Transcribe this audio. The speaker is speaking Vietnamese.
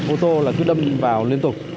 ô tô là cứ đâm vào liên tục